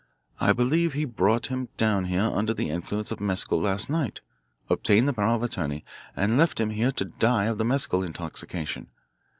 I believe he brought him down here under the influence of mescal last night, obtained the power of attorney, and left him here to die of the mescal intoxication.